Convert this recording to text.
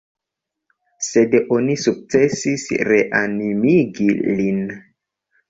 Sed oni sukcesis reanimigi lin.